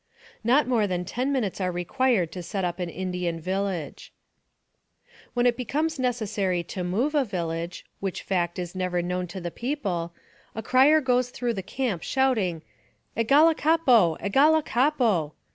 Not more than ten minutes are required to set up an Indian village. When it becomes necessary to move a village, which fact is never known to the people, a crier goes through the camp, shouting, " Egalakapo ! Egalakapo